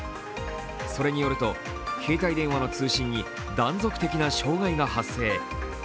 それによると携帯電話の通信に断続的な障害が発生。